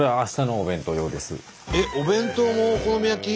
えっお弁当もお好み焼き？